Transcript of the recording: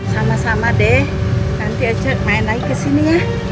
sama sama deh nanti ocek main lagi di sini ya